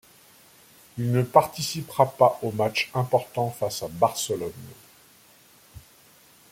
Il ne participera pas au match important face à Barcelone.